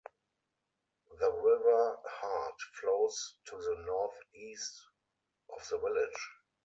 The River Hart flows to the northeast of the village.